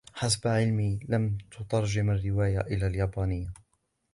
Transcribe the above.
حسب علمي ، لم تترجم الرواية إلى اليابانية.